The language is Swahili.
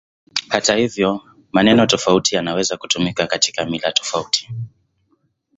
Hata hivyo, maneno tofauti yanaweza kutumika katika mila tofauti.